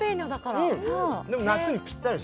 でも夏にぴったりです。